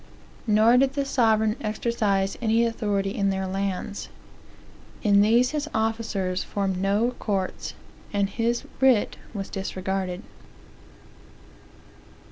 Nor did the sovereign exercise any authority in their lands. In these his officers formed no courts, and his writ was disregarded.